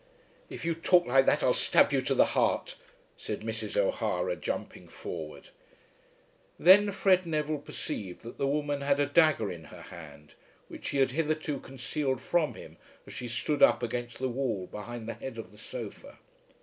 "If you talk like that I'll stab you to the heart," said Mrs. O'Hara, jumping forward. Then Fred Neville perceived that the woman had a dagger in her hand which she had hitherto concealed from him as she stood up against the wall behind the head of the sofa.